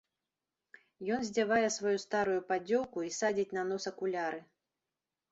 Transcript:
Ён здзявае сваю старую паддзёўку і садзіць на нос акуляры.